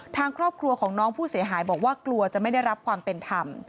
ทางครอบครัวของน้องผู้เสียหายบอกว่ากลัวจะไม่ได้รับความเป็นธรรม